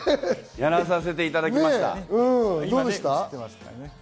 やらさせていただきました。